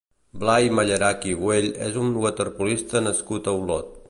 Blai Mallarach i Güell és un waterpolista nascut a Olot.